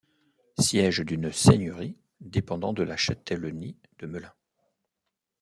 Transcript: Siège d'une seigneurie, dépendant de la châtellenie de Melun.